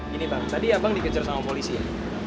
gini bang tadi abang dikejar sama polisi ya